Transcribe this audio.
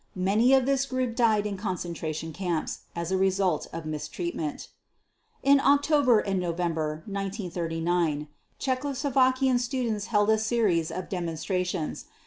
Many of this group died in concentration camps as a result of mistreatment. In October and November 1939 Czechoslovakian students held a series of demonstrations.